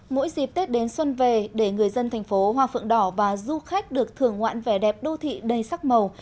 mỗi dịp tết đến xuân về để người dân thành phố hoa phượng đỏ và du khách được thưởng ngoạn vẻ đẹp đô thị đầy sắc màu